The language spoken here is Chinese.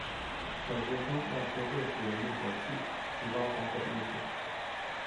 小学生要学会使用灭火器，提高防火意识。